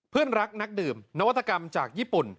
เพื่อนรักนักดื่มนวัตกรรมจากญี่ปุ่น